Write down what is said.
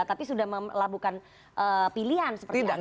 tapi sudah melakukan pilihan seperti a b c d f g